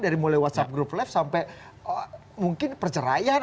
dari mulai whatsapp group lab sampai mungkin perceraian